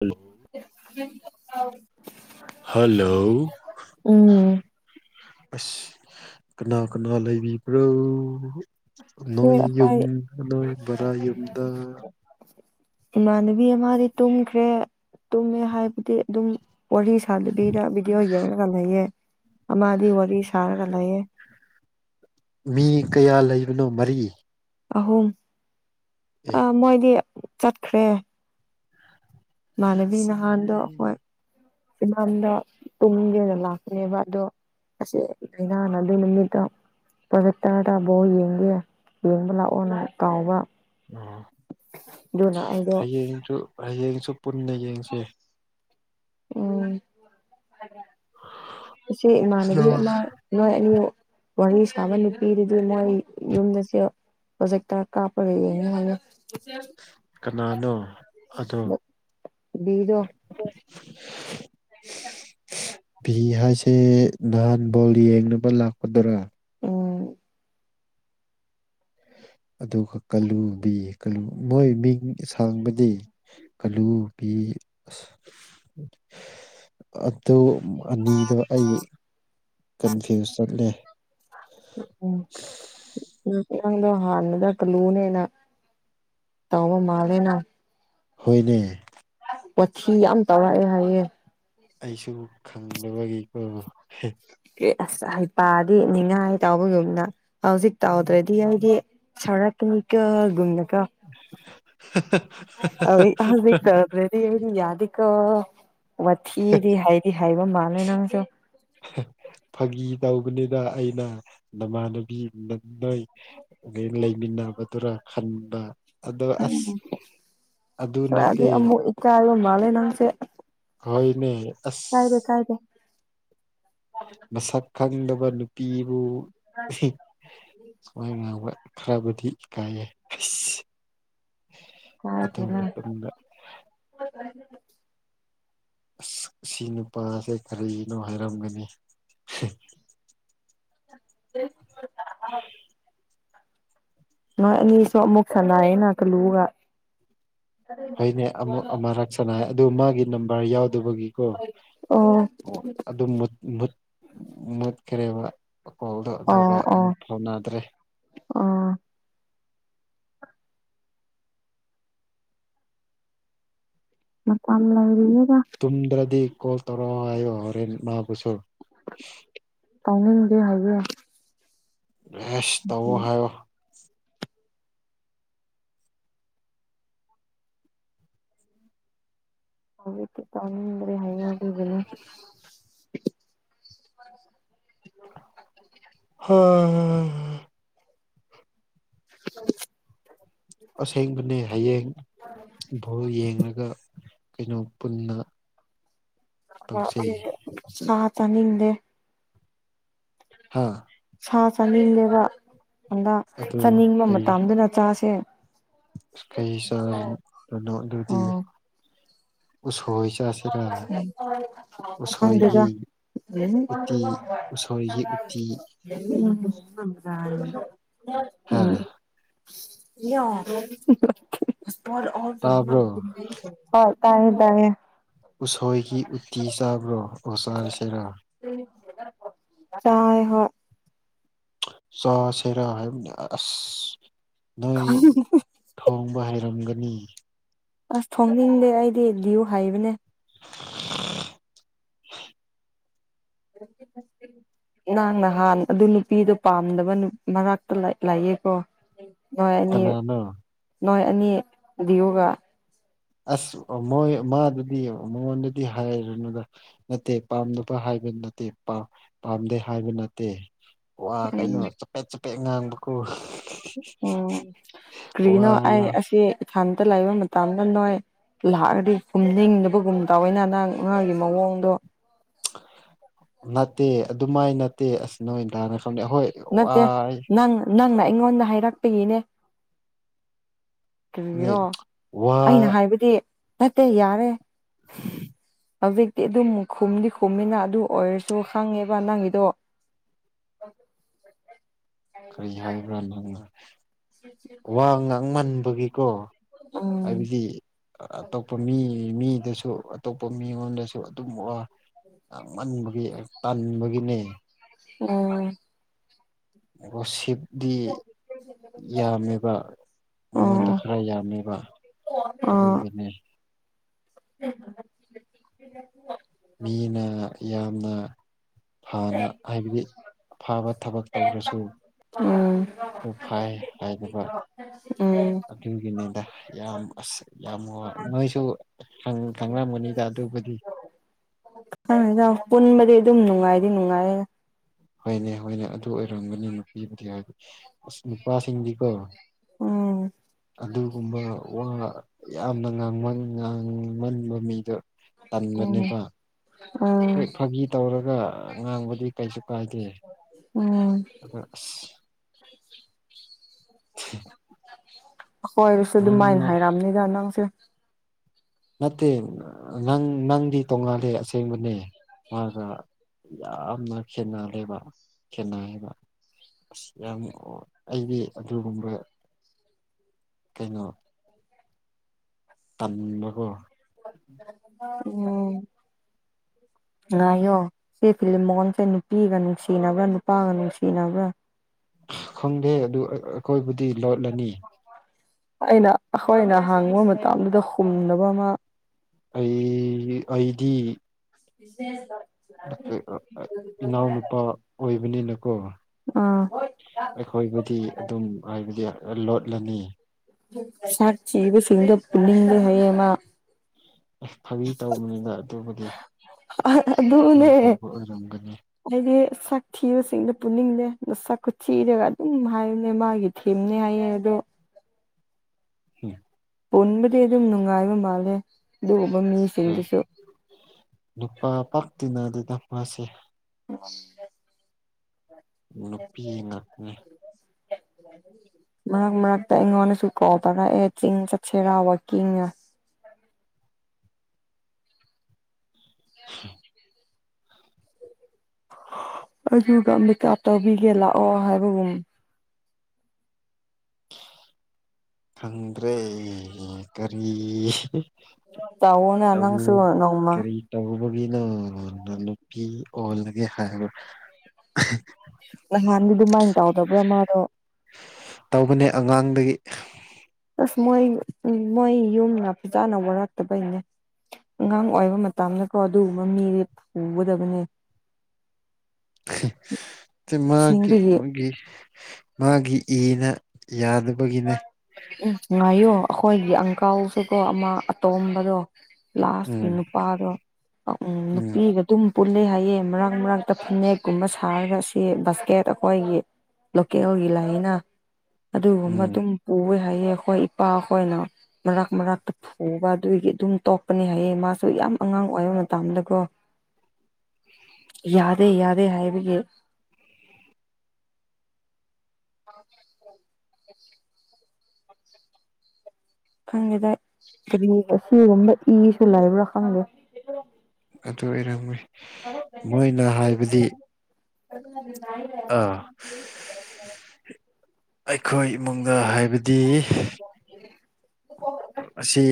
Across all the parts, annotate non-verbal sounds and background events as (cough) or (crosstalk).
hello (unintelligible) hello ꯎꯝ ꯑꯁ ꯀꯅꯥ ꯀꯅꯥ ꯂꯩꯕꯤꯕ꯭ꯔꯣ ꯁꯤ ꯅꯣꯏ ꯌꯨꯝ ꯑꯩꯈꯣꯏ ꯅꯣꯏ ꯕꯥꯔꯥ ꯌꯨꯝꯗ ꯏꯃꯥꯟꯅꯕꯤ ꯑꯃꯗꯤꯗꯤ ꯇꯨꯝꯈ꯭ꯔꯦ ꯇꯨꯝꯃꯦ ꯍꯥꯏꯕꯗꯤ ꯑꯗꯨꯝ ꯋꯥꯔꯤ ꯁ ꯁꯥꯗꯕꯤꯗ ꯕꯤꯗꯤꯑꯣ ꯌꯦꯔꯒ ꯂꯩꯑꯌꯦ ꯑꯃꯗꯤ ꯋꯥꯔꯤ ꯁꯥꯔꯒ ꯂꯩꯌꯦ ꯃꯤ ꯀꯌꯥ ꯂꯩꯕꯅꯣ ꯃꯔꯤ ꯑꯍꯨꯝ ꯑꯦ ꯑ ꯃꯣꯏꯗꯤ ꯆꯠꯈ꯭ꯔꯦ ꯃꯅꯕꯤ ꯅꯍꯥꯟꯗꯣ ꯍꯣꯏ ꯏꯃꯝꯗ ꯄꯨꯡꯒꯤ ꯑꯣꯏꯅ ꯂꯥꯛꯄꯅꯦꯕ ꯑꯗꯣ ꯑꯁꯦ ꯂꯥꯏꯅꯥꯅ ꯑꯗꯨ ꯅꯨꯃꯤꯠꯇ ꯄ꯭ꯔꯗꯦꯛꯇꯔꯗ ꯕꯥꯎ ꯌꯦꯡꯒꯦ ꯌꯦꯡꯕ ꯂꯥꯛꯑꯣꯅ ꯀꯥꯎꯕ ꯑꯣ ꯑꯗꯨꯅ ꯑꯩꯗꯣ ꯍꯌꯦꯡꯁꯨ ꯍꯌꯦꯡꯁꯨ ꯄꯨꯟꯅ ꯌꯦꯡꯁꯦ ꯑꯣ ꯏꯆꯦ ꯏꯃꯥꯟꯅꯕꯤ ꯑꯃ ꯅꯣꯏ ꯑꯅꯤ ꯋꯥꯔꯤ ꯁꯥꯕ ꯅꯨꯄꯤꯗꯨꯗꯤ ꯅꯣꯏ ꯌꯨꯝꯗꯁꯨ ꯍꯧꯖꯤꯛ ꯇꯔ ꯀꯥꯄꯔꯅꯦ ꯃ ꯀꯅꯥꯅꯣ ꯑꯗꯣ ꯕꯤꯗꯣ (unintelligible) (inaudible) ꯚꯤ ꯍꯥꯏꯁꯦ ꯅꯍꯥꯟ ꯐꯣꯜꯂꯤ ꯌꯦꯡꯅꯕ ꯂꯥꯛꯄꯗꯨꯔꯥ ꯎꯝ ꯑꯗꯨꯒ ꯀꯥꯂꯨ ꯕꯤ ꯀꯥꯂꯨ ꯃꯣꯏ ꯃꯤꯡ ꯁꯥꯡꯕꯗꯤ ꯀꯥꯂꯨ ꯕꯤ ꯑꯁ ꯑꯗꯣ ꯑꯅꯤꯗꯣ ꯑꯩ ꯀꯟꯐ꯭ꯌꯨꯁ ꯆꯠꯂꯦ ꯗ ꯍꯥꯟꯅꯗ ꯀ ꯂꯨꯅꯦꯅ ꯇꯕ ꯃꯥꯂꯦꯅ ꯍꯅꯦ ꯄꯣꯊꯤ ꯌꯥꯝ ꯇꯧꯔꯑꯦ ꯍꯥꯏꯌꯦꯦ ꯑꯩꯁꯨ ꯈꯪꯗꯕꯒꯤ ꯑꯦ ꯑꯁ ꯍꯩꯄꯥꯗꯤ ꯅꯤꯡꯅꯤꯉꯥꯏ ꯇꯥꯎꯕꯒꯨꯝꯅ ꯍꯧꯖꯤꯛ ꯇꯥꯎꯗ꯭ꯔꯗꯤ ꯑꯩꯗꯤ ꯁꯔꯛꯀꯅꯤꯀꯣ ꯒꯨꯝꯅꯀꯣ ꯍꯥ ꯍꯥ ꯍꯥ ꯍꯥ ꯍꯥ ꯔꯗꯤ ꯑꯩꯗꯤ ꯌꯥꯗꯤꯀꯣ ꯋꯥꯊꯤꯗꯤ ꯍꯥꯏꯗꯤ ꯍꯥꯏꯕ ꯃꯥꯜꯂꯦ ꯅꯪꯁꯨ ꯐꯥꯒꯤ ꯇꯧꯕꯅꯤꯗ ꯑꯩꯅ ꯅꯃꯥꯟꯅꯕꯤ (unintelligible) ꯅꯣꯏ ꯒꯩ ꯂꯩꯃꯤꯟꯅꯕꯗꯨꯔ ꯈꯟꯕ ꯑꯗꯣ ꯑꯁ ꯑꯗꯨ ꯅꯠꯇꯦ ꯀꯥꯔ ꯃꯥꯜꯂꯦ ꯅꯥꯁꯦ ꯀꯥꯎꯏꯅꯦ ꯑꯁ ꯀꯥꯏꯗꯦ ꯃꯁꯛ ꯈꯪꯗꯕ ꯅꯨꯄꯤꯕꯨ ꯁꯨꯃꯥꯏ ꯉꯥꯡꯕ ꯈꯔꯕꯨꯗꯤ ꯀꯥꯏꯑꯦ ꯑꯁ ꯑꯗꯨ ꯃꯇꯝꯗ (unintelligible) ꯑꯁ ꯁꯤ ꯅꯨꯄꯥꯁꯦ ꯀꯔꯤꯅꯣ ꯍꯥꯏꯔꯝꯒꯅꯤ (unintelligible) ꯅꯣꯏ ꯑꯅꯤꯁꯨ ꯑꯃꯨꯛ ꯁꯥꯟꯅꯩꯑꯦꯅ ꯀꯜꯂꯨꯒ ꯍꯣꯏꯅꯦ ꯑꯃꯨꯛ ꯑꯃꯔꯛ ꯁꯅꯩ ꯑꯗꯨ ꯃꯥꯒꯤ ꯅꯝꯕꯔ ꯌꯥꯎꯗꯕꯒꯤꯀꯣ ꯑꯣ ꯑꯣ ꯑꯗꯨ ꯃꯨꯠ ꯃꯨꯠ ꯃꯨꯠꯈ꯭ꯔꯦꯕ ꯀꯣꯜꯗꯣ ꯑꯣ ꯑꯗꯨꯒ ꯑꯣ ꯑꯃꯨꯛ ꯐꯥꯎꯅꯗ꯭ꯔꯦ ꯑꯣ ꯃꯇꯝ ꯂꯩꯔꯤꯗ ꯇꯨꯝꯗ꯭ꯔꯗꯤ ꯀꯣꯜ ꯇꯧꯔꯑꯣ ꯍꯥꯏꯣ ꯍꯣꯔꯦꯟ ꯃꯥꯕꯨꯁꯨ ꯇꯧꯅꯤꯡꯗꯦ ꯍꯥꯏꯌꯦ ꯑꯦꯁ ꯇꯧꯋꯣ ꯍꯥꯏꯌꯣ ꯍꯧꯖꯤꯛꯇꯤ ꯇꯧꯅꯤꯡꯗ꯭ꯔꯦ ꯍꯩꯌꯦ ꯑꯗꯨꯒꯤꯅꯦ ꯍꯥ ꯑ (inaudible) ꯑꯁꯦꯡꯕꯅꯦ ꯍꯌꯦꯡ ꯚꯣꯜ ꯌꯦꯡꯂꯡꯒ ꯀꯩꯅꯣ ꯄꯨꯟꯅ ꯇꯧꯁꯦ (unintelligible) ꯊꯥ ꯇꯥꯅꯤꯡꯗꯦ ꯍꯥꯥ ꯁꯥ ꯆꯥꯅꯤꯡꯗꯦꯕ ꯑꯗ ꯑꯗꯨ ꯆꯥꯅꯤꯡꯕ ꯀꯩ ꯃꯇꯝꯗꯅ ꯆꯥꯁꯦ ꯀꯩ ꯆꯥ ꯔꯅꯣ ꯑꯗꯨꯗꯤ ꯑꯣ ꯎꯁꯣꯏ ꯆꯁꯤ (unintelligible) ꯈꯪꯗꯦꯗ (unintelligible) (unintelligible) ꯎꯝ ꯎꯇꯤ ꯎꯁꯣꯏꯒꯤ ꯎꯇꯤ ꯍꯥ ꯑꯋꯥ ꯇꯥꯕ꯭ꯔꯣ (inaudible) ꯍꯣꯏ ꯇꯥꯏꯌꯦ ꯇꯥꯏꯌꯦ ꯎꯁꯣꯏꯒꯤ ꯎꯠꯇꯤ ꯆꯥꯕ꯭ꯔꯣ ꯎꯁꯣꯢ ꯆꯥꯁꯤꯔ ꯇꯥꯢ ꯍꯣꯏ ꯆꯥ ꯁꯦꯔꯥ ꯍꯥꯏꯕꯅꯤ ꯑꯁ ꯅꯣꯏ ꯊꯣꯡꯕ ꯍꯩꯔꯝꯒꯅꯤ ꯑꯁ ꯊꯣꯡꯅꯤꯡꯗꯦ ꯑꯩꯗꯤ ꯌꯨ ꯍꯩꯕꯅꯦ (inaudible) (inaudible) ꯅꯍꯪ ꯅꯍꯥꯟ ꯑꯗꯨ ꯅꯨꯄꯤꯗꯣ ꯄꯥꯝꯗꯕ ꯅꯨ ꯃꯔꯛꯇ ꯂꯩꯑꯦꯀꯣ ꯅꯣꯏ ꯑꯅꯤ ꯀꯅꯥꯅꯣ ꯅꯣꯏ ꯑꯅꯤ ꯕꯤꯌꯨꯒ ꯑꯁ ꯃꯣꯏ ꯑꯃꯥꯗꯨꯗꯤ ꯃꯉꯣꯟꯗꯗꯤ ꯍꯥꯏꯔꯅꯨꯗ ꯅꯠꯇꯦ ꯄꯥꯝꯗꯕ ꯍꯥꯏꯕ ꯅꯠꯇꯦ ꯄꯥ ꯄꯥꯝꯗꯦ ꯍꯥꯏꯕ ꯅꯠꯇꯦ ꯋꯥ ꯎꯝ ꯀꯩꯅꯣ ꯆꯄꯦꯠ ꯆꯄꯦꯠ ꯉꯥꯡꯕꯀꯣ ꯎꯝ ꯋꯥ ꯀ꯭ꯔꯤꯅꯣ ꯑꯩ ꯌꯥꯝ ꯑꯁꯤ ꯏꯊꯟꯇ ꯂꯩꯕ ꯃꯇꯝꯗ ꯅꯣꯏ ꯂꯥꯛꯑꯗꯤ ꯐꯨꯝꯅꯤꯡꯗꯕꯒꯨꯝ ꯇꯧꯋꯦꯅ ꯅꯪ ꯃꯥꯒꯤ ꯃꯑꯣꯡꯗꯣ ꯅꯠꯇꯦ ꯑꯗꯨꯃꯥꯏ ꯅꯠꯇꯦ ꯑꯁ ꯅꯣꯢ ꯗ ꯅꯠꯇꯦ ꯅꯪ ꯅꯪꯅ ꯑꯩꯉꯣꯟꯗ ꯍꯥꯏꯔꯛꯄꯒꯤꯅꯦ ꯀꯔꯤꯔꯣ ꯋꯥ ꯑꯩꯅ ꯍꯥꯏꯕꯗꯤ ꯅꯠꯇꯦ ꯌꯥꯔꯦ ꯍꯧꯖꯤꯛꯇꯤ ꯑꯗꯨꯝ ꯈꯨꯝꯗꯤ ꯈꯨꯝꯃꯤꯅ ꯑꯗꯨ ꯑꯣꯏꯔꯁꯨ ꯈꯪꯉꯦꯕ ꯅꯪꯒꯤꯗꯣ ꯀꯔꯤ ꯍꯥꯏꯕ꯭ꯔꯥꯅꯦ ꯅꯪꯅ ꯋꯥ ꯉꯥꯡꯃꯟꯕꯒꯤ ꯀꯣ ꯎꯝ ꯍꯥꯏꯕꯗꯤ ꯑꯇꯣꯞꯄ ꯃꯤ ꯃꯤꯗꯁꯨ ꯑꯇꯣꯞꯄ ꯃꯤꯉꯣꯟꯗꯁꯨ ꯑꯗꯨꯝ ꯋꯥ ꯉꯥꯡꯃꯥꯟꯕꯒꯤ ꯇꯟꯕꯒꯤꯅꯦ ꯑꯝ ꯔꯁꯤꯞꯗꯤ (inaudible) ꯌꯥꯝꯃꯤꯕ ꯃꯉꯣꯟꯗ ꯎꯝ ꯈꯔ ꯌꯥꯝꯃꯤꯕ ꯑꯗꯨꯒꯤꯅꯤ ꯎꯝ (unintelligible) ꯃꯤꯅ ꯌꯥꯝꯅ ꯐꯅ ꯍꯥꯏꯕꯗꯤ ꯑꯐꯥꯕ ꯊꯕꯛ ꯇꯧꯔꯁꯨ ꯎꯝ ꯑꯗꯨ ꯐꯩ ꯍꯥꯏꯗꯕ ꯑꯗꯨꯒꯤꯅꯤꯗ ꯌꯥꯝ ꯑꯁ ꯌꯥꯝ ꯋꯥꯏ ꯅꯣꯏꯁꯨ ꯈꯪ ꯈꯪꯉꯝꯒꯅꯤꯗ ꯑꯗꯨꯕꯨꯗꯤ ꯈꯪꯗꯦꯗ ꯄꯨꯟꯕꯗꯤ ꯑꯗꯨꯝ ꯅꯨꯡꯉꯥꯏꯗꯤ ꯅꯨꯡꯉꯥꯏꯔꯦ ꯍꯣꯏꯅꯦ ꯍꯣꯏꯅꯦ ꯑꯗꯨ ꯑꯣꯏꯔꯝꯒꯅꯤ ꯅꯨꯄꯤꯕꯨꯗꯤ ꯍꯥꯏꯗꯤ ꯑꯁ ꯅꯨꯄꯥꯁꯤꯡꯗꯤꯀꯣ ꯎꯝ ꯑꯗꯨꯒꯨꯝꯕ ꯋꯥ ꯌꯥꯝꯅ ꯉꯥꯡꯃꯟ ꯉꯥꯡꯃꯟꯕ ꯃꯤꯗꯣ ꯎꯝ ꯇꯟꯕꯅꯦꯕ ꯍꯣꯏ ꯐꯥꯒꯤ ꯇꯧꯔꯒ ꯉꯥꯡꯕꯗꯤ ꯀꯩꯁꯨ ꯀꯥꯏꯗꯦ ꯎꯝ ꯑꯗꯣ ꯑꯥꯁ (unintelligible) ꯍꯣꯏꯔꯁꯨ ꯑꯗꯨꯃꯥꯏꯅ ꯅꯪꯅ ꯍꯥꯏꯔꯛꯒꯅꯤꯗ ꯅꯪꯁꯨ ꯅꯠꯇꯦ ꯅꯪ ꯅꯪꯗꯤ ꯇꯣꯡꯉꯥꯜꯂꯦ ꯑꯁꯦꯡꯕꯅꯦ ꯃꯥꯒ ꯌꯥꯝꯅ ꯈꯦꯠꯅꯔꯦꯕ ꯈꯦꯠꯅꯩꯕ ꯑꯁ ꯌꯥꯝ ꯑꯩꯗꯤ ꯑꯗꯨꯒꯨꯝꯕ ꯀꯩꯅꯣ ꯇꯟꯕꯥꯒꯣ ꯎꯝ ꯉꯥꯏꯌꯣ ꯁꯤ ꯐꯤꯂꯝ ꯃꯑꯣ (inaudible) ꯡꯁꯦ ꯅꯨꯄꯤꯒ ꯅꯨꯡꯁꯤꯅꯕ꯭ꯔꯥ ꯅꯨꯄꯥꯒ ꯅꯨꯡꯁꯤꯅꯕ꯭ꯔꯥ ꯈꯪꯗꯦ ꯑꯗꯨ ꯑꯩꯈꯣꯏꯕꯨꯗꯤ ꯂꯣꯠꯂꯅꯤ ꯑꯩꯅ ꯑꯩꯈꯣꯏꯅ ꯍꯥꯡꯕ ꯃꯇꯝꯗꯨꯗ ꯈꯨꯝꯗꯕ ꯃꯥ ꯑꯩ ꯑꯩꯗꯤ (unintelligible) (unintelligible) ꯏꯅꯥꯎꯅꯄꯥ ꯑꯣꯏꯕꯅꯤꯅꯀꯣ ꯑꯥ ꯑꯩꯈꯣꯏꯕꯨꯗꯤ ꯑꯗꯨꯝ ꯍꯥꯏꯕꯗꯤ ꯂꯣꯠꯂꯅꯤ (unintelligible) ꯑꯁ ꯐꯥꯒꯤ ꯇꯧꯕꯅꯤꯗ ꯑꯗꯨꯕꯨꯗꯤ ꯐꯥꯒꯤ ꯑꯗꯨꯅꯦ ꯇꯧꯕ ꯑꯣꯏꯔꯝꯒꯅꯤ ꯑꯩꯗꯤ ꯁꯛ ꯊꯤꯕꯁꯤꯡꯗ ꯄꯨꯅꯤꯡꯗꯦ ꯁꯛꯀ ꯊꯤꯔꯒ ꯑꯗꯨꯝ ꯍꯥꯏꯕꯅꯦ ꯃꯥꯒꯤ ꯊꯤꯟꯅꯤ ꯍꯤꯏꯌꯦ ꯑꯗꯣ ꯎꯝ ꯄꯨꯟꯕꯗꯤ ꯑꯗꯨꯝ ꯅꯨꯡꯉꯥꯏꯕ ꯃꯥꯜꯂꯦ ꯑꯗꯨꯒꯨꯝꯕ ꯎꯝ ꯃꯤꯁꯤꯡꯗꯨꯁꯨ ꯅꯨꯄꯥ ꯄꯥꯛ ꯇꯤꯟꯅꯗꯦꯗ ꯃꯥꯁꯦ ꯑꯣ (inaudible) ꯅꯨꯄꯤ ꯉꯛꯅꯤ (unintelligible) ꯃꯔꯛ ꯃꯔꯛꯇ ꯑꯩꯉꯣꯟꯗꯁꯨ ꯀꯕꯔꯥ ꯑꯦ ꯆꯤꯡ ꯆꯠꯁꯦꯔꯕ ꯀꯤꯡꯉ (unintelligible) ꯑꯗꯨꯒꯀꯥ ꯇꯧꯕꯤꯒꯦ ꯂꯥꯛꯑꯣ ꯍꯥꯏꯕꯒꯨꯝ ꯈꯪꯗ꯭ꯔꯦ ꯀꯔꯤ ꯇꯎꯅ‌ ꯅꯪꯁꯨ ꯅꯣꯡꯃꯥ ꯇꯧꯕꯒꯤꯅ ꯅꯨꯄꯤ ꯑꯣꯜꯂꯒꯦ ꯍꯥꯏꯕ ꯅꯍꯥꯟꯗꯤ ꯑꯗꯨꯃꯥꯏꯅ ꯇꯧꯗꯕ꯭ꯔꯥ ꯃꯥꯗꯣ ꯇꯧꯕꯅꯦ ꯑꯉꯥꯡꯗꯒꯤ ꯑꯁ ꯃꯣꯏ ꯎ ꯃꯣꯏ ꯌꯨꯝ ꯅꯥ ꯐꯖꯅꯥ ꯋꯥꯔꯛꯇꯕꯩꯅꯦ ꯑꯉꯥꯡ ꯑꯣꯏꯕ ꯃꯇꯝꯗꯀꯣ ꯑꯗꯨꯒꯨꯝꯕ ꯃꯤꯔꯦ ꯄꯨꯒꯗꯕꯅꯦ ꯃꯥꯒꯤ ꯑꯁꯦꯡꯕꯒꯤ ꯃꯥꯒꯤ ꯃꯥꯒꯤ ꯏꯅ ꯌꯥꯗꯕꯒꯤꯅꯦ ꯎꯝ ꯉꯥꯏꯌꯣ ꯑꯩꯈꯣꯏꯒꯤ ꯑꯪꯀꯥꯎꯁꯤꯗꯣ ꯑꯃ ꯑꯇꯣꯝꯕꯗꯣ ꯂꯥꯁꯀꯤ ꯎꯝ ꯅꯨꯄꯥꯗꯣ ꯎ ꯎꯝ ꯅꯨꯄꯤꯒ ꯑꯗꯨꯝ ꯄꯨꯜꯂꯤ ꯍꯥꯏꯌꯦ ꯃꯔꯛ ꯃꯔꯛꯇ ꯐꯅꯦꯛꯀꯨꯝꯕ ꯁꯥꯔꯒ ꯑꯁꯤ ꯕꯁꯀꯦꯠ ꯑꯩꯈꯣꯏꯒꯤ ꯂꯣꯀꯦꯜꯒꯤ ꯂꯥꯏꯅ ꯑꯗꯨꯒꯨꯝꯕ ꯎꯝ ꯑꯗꯨꯝ ꯄꯨꯋꯦ ꯍꯥꯏꯌꯦ ꯑꯩꯈꯣꯏ ꯏꯄꯥꯈꯣꯏꯅ ꯃꯔꯥꯛ ꯃꯔꯥꯛ ꯎꯕ ꯑꯗꯨꯒꯤ ꯑꯗꯨꯝ ꯇꯣꯛꯄꯅꯦ ꯍꯥꯏꯌꯦ ꯃꯥꯁꯨ ꯌꯥꯝ ꯑꯉꯥꯡ ꯑꯣꯏꯕ ꯃꯇꯝꯗꯀꯣ (inaudible) ꯌꯥꯗꯦ ꯌꯥꯗꯦ ꯍꯥꯏꯕꯒꯤ (unintelligible) ꯈꯪꯒꯦꯗꯥꯏ ꯍꯥꯏꯗꯤ ꯑꯁꯤꯒꯨꯝꯕ ꯏꯁꯨ ꯂꯩꯕ꯭ꯔꯥ ꯈꯪꯗꯦ ꯑꯗꯨ ꯑꯣꯏꯔꯝꯣꯏ ꯃꯣꯏꯅ ꯍꯥꯏꯕꯗꯤ (unintelligible) ꯑꯥ ꯑꯩꯈꯣꯏ ꯏꯃꯨꯡꯗ ꯍꯥꯏꯕꯗꯤ ꯑꯁꯤ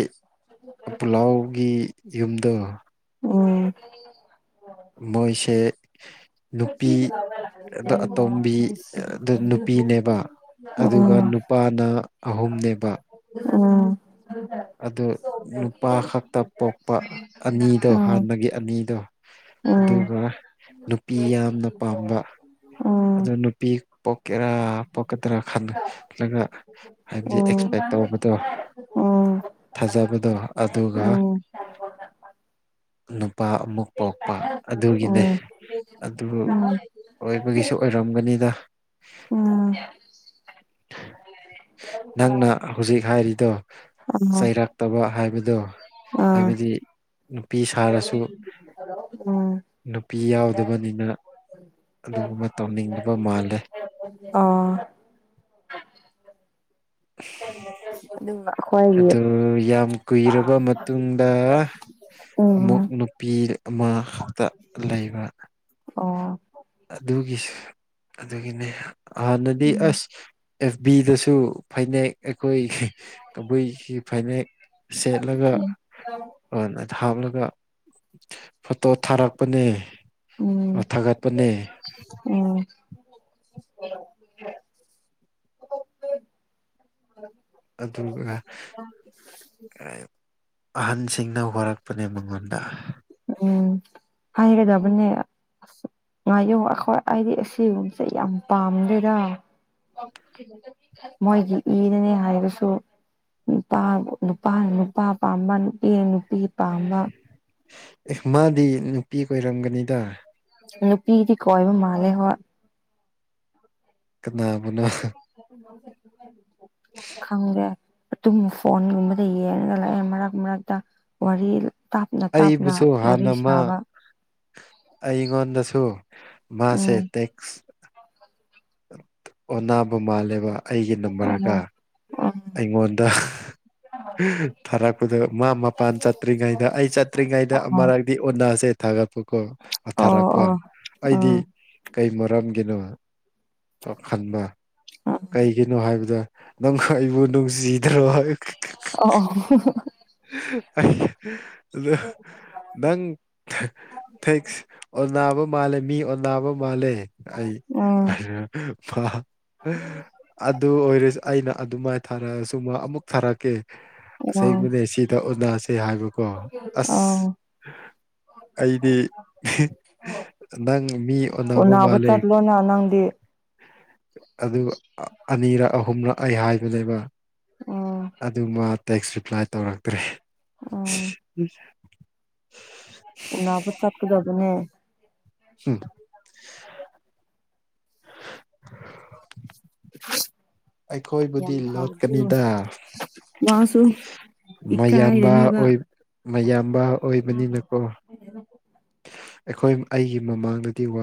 ꯄꯨꯂꯥꯎꯒꯤ ꯌꯨꯝꯗꯣ ꯎꯝ ꯃꯣꯏꯁꯦ ꯅꯨꯄꯤ ꯑꯇꯣꯝꯕꯤ ꯅꯨꯄꯤꯅꯦꯕ ꯑꯗꯨꯒ ꯅꯨꯄꯥꯅ ꯑꯍꯨꯝꯅꯦꯕ ꯎꯝ ꯑꯗꯨ ꯅꯨꯄꯥ ꯈꯛꯇ ꯄꯣꯛꯄ ꯑꯅꯤꯗꯣ ꯍꯥꯟꯅꯒꯤ ꯑꯅꯤꯗꯣ ꯑꯗꯨꯒ ꯅꯨꯄꯤ ꯌꯥꯝꯅ ꯄꯥꯝꯕ ꯑꯗꯨ ꯅꯨꯄꯤ ꯄꯣꯛꯀꯦꯔꯥ ꯄꯣꯛꯀꯗ꯭ꯔꯥ ꯈꯜꯂꯒ ꯍꯥꯏꯕꯗꯤ ꯑꯦꯛꯁꯄꯦꯛ ꯇꯧꯕꯗꯣ ꯊꯥꯖꯕꯗꯣ ꯑꯗꯨꯒ ꯅꯨꯄꯥ ꯑꯃꯨꯛ ꯄꯣꯛꯄ ꯑꯗꯨꯒꯤꯅꯦ ꯑꯗꯨ ꯒꯤꯁꯨ ꯑꯣꯏꯔꯝꯒꯅꯤꯗ ꯎꯝ ꯅꯪꯅ ꯍꯧꯖꯤꯛ ꯍꯥꯏꯔꯤꯗꯣ ꯆꯩꯔꯛꯇꯕ ꯍꯥꯏꯕꯗꯣ ꯍꯥꯏꯕꯗꯤ ꯅꯨꯄꯤ ꯁꯥꯔꯁꯨ ꯎꯝ ꯅꯨꯄꯤ ꯌꯥꯎꯗꯕꯅꯤꯅ ꯑꯗꯨꯒꯨꯝꯕ ꯇꯧꯅꯤꯡꯗꯕ ꯃꯥꯜꯂꯦ ꯑ (unintelligible) ꯑꯩꯈꯣꯏꯒꯤ ꯑꯗꯨ ꯌꯥꯝ ꯀꯨꯏꯔꯕ ꯃꯇꯨꯡꯗ ꯎꯝ ꯑꯃꯨꯛ ꯅꯨꯄꯤ ꯑꯃꯛꯇ ꯂꯩꯕ ꯑꯣ ꯑꯗꯨꯒꯤꯁꯨ ꯑꯗꯨꯒꯤꯅꯦ ꯍꯥꯟꯅꯗꯤ ꯎꯝ ꯑꯁ ꯑꯦꯐ ꯕꯤꯗꯁꯨ ꯐꯅꯦꯛ ꯑꯩꯈꯣꯏꯒꯤ ꯀꯕꯨꯏꯒꯤ ꯐꯅꯦꯛ ꯁꯦꯠꯂꯒ ꯎꯝ ꯍꯅ ꯍꯥꯞꯂꯒ ꯐꯣꯇꯣ ꯊꯥꯔꯛꯄꯅꯦ ꯎꯝ ꯊꯥꯒꯠꯄꯅꯦ ꯎꯝ (unintelligible) ꯑꯗꯨꯒ ꯑꯍꯟꯁꯤꯡꯅ ꯍꯣꯔꯛꯄꯅꯦ ꯃꯉꯣꯟꯗ ꯎꯝ ꯍꯥꯏꯒꯗꯕꯅꯦ ꯑꯁ ꯉꯥꯏꯌꯣꯛꯉ ꯑꯩꯈꯣꯏ ꯑꯩꯗꯤ ꯑꯁꯤꯒꯨꯝꯕꯁꯦ ꯌꯥꯝ ꯄꯥꯝꯗꯦꯔ ꯃꯣꯏꯒꯤ ꯏꯅꯅꯦ ꯍꯥꯏꯔꯁꯨ ꯅꯨꯄꯥ ꯅꯨꯄꯥꯅ ꯅꯨꯄꯥ ꯄꯥꯝꯕ ꯅꯨꯄꯤꯅ ꯅꯨꯄꯤ ꯄꯥꯝꯕ ꯑꯦ ꯃꯥꯗꯤ ꯅꯨꯄꯤ ꯑꯣꯏꯔꯝꯒꯅꯤꯗ ꯅꯨꯄꯤꯗꯤ ꯀꯣꯏꯕ ꯃꯥꯜꯂꯦ ꯍꯣꯏ ꯀꯅꯥꯕꯅꯣ ꯃꯦ ꯈꯪꯗ꯭ꯔꯦ ꯑꯗꯨꯨꯝ ꯐꯣꯟꯒꯨꯝꯕꯗ ꯌꯦꯡꯉꯒ ꯂꯥꯛꯑꯦ ꯃꯔꯛ ꯃꯔꯛꯇ ꯋꯥꯔꯤꯜ ꯑꯩꯕꯨꯁꯨ ꯍꯥꯟꯅ ꯑꯃ ꯑꯩꯉꯣꯟꯗꯁꯨ ꯃꯥꯁꯦ ꯎꯝ ꯇꯦꯛꯁ ꯑꯣꯅꯥꯕ ꯃꯥꯜꯂꯦꯕ ꯑꯩꯒꯤ ꯅꯝꯕꯔꯒ ꯎꯝ ꯑꯩꯉꯣꯟꯗ ꯊꯥꯔꯛꯄꯗ ꯃꯥ ꯃꯄꯥꯟ ꯆꯠꯇ꯭ꯔꯤꯉꯩꯗ ꯑꯩ ꯆꯠꯇ꯭ꯔꯤꯉꯩꯗ ꯎꯝ ꯗꯤ ꯑꯣꯅꯥꯁꯦ ꯊꯥꯒꯠꯄꯀꯣ ꯑꯣ ꯊꯥꯔꯛꯄ ꯑꯣ ꯑꯣ ꯑꯩꯗꯤ ꯎꯝ ꯀꯩ ꯃꯔꯝꯒꯤꯅꯣ ꯑꯣ ꯈꯟꯅ ꯀꯩꯒꯤꯅꯣ ꯍꯥꯏꯕꯗ ꯅꯪ ꯑꯩꯕꯨ ꯅꯨꯡꯁꯤꯗ꯭ꯔꯣ ꯑꯣ ꯇ ꯑ ꯅꯪ ꯊꯦꯛꯁ ꯑꯣ ꯕ ꯃꯥꯜꯂꯦ ꯃꯤ ꯑꯣꯕ ꯃꯥꯜꯂꯦ ꯑꯩ ꯑꯣ ꯎꯝ ꯑꯗꯨ ꯑꯣꯏꯔ ꯑꯩꯅ ꯑꯗꯨꯃꯥꯏꯅ ꯊꯥꯔꯛꯑꯁꯨ ꯃꯥ ꯑꯃꯨꯛ ꯊꯥꯔꯛꯀꯦ ꯎꯝ ꯑꯁꯦꯡꯕꯅꯦ ꯁꯤꯗ ꯎꯟꯅꯁꯦ ꯍꯥꯏꯕꯀꯣ ꯑꯁ ꯑꯣ ꯑꯩꯗꯤ ꯅꯪ ꯃꯤ ꯑꯣꯟꯅꯕ ꯃꯥꯜꯂꯦ ꯅ ꯅꯪꯗꯤ ꯑꯗꯨꯒ ꯑꯅꯤꯔꯛ ꯑꯍꯨꯝꯔꯛ ꯑꯩ ꯍꯥꯏꯕꯅꯦꯕ ꯎꯝ ꯑꯗꯨ ꯇꯦꯛꯁ ꯔꯤꯄ꯭ꯂꯥꯏ ꯇꯧꯔꯛꯇ꯭ꯔꯦ ꯎꯕꯨ ꯆꯠꯀꯗꯕꯅꯦ ꯁꯤ ꯌꯥꯝ ꯑꯩꯈꯣꯏꯕꯨꯗꯤ ꯐꯥꯎꯗ꯭ꯔꯤ ꯂꯣꯠꯀꯅꯤꯗ ꯃꯥꯁꯨ ꯃꯌꯥꯝꯕ ꯏꯀꯥꯏꯔꯅꯤꯕ ꯑꯣꯏ ꯃꯌꯥꯝꯕ ꯑꯣꯏꯕꯅꯤꯅ ꯑꯣ ꯑꯩꯈꯣꯏ ꯑꯩꯒꯤ ꯃꯃꯥꯡꯗꯗꯤ ꯋꯥ